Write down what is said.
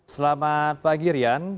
selamat pagi rian